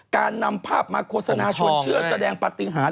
การนำภาพมาโฆษณาชวนเชื้อแสดงปฏิหาร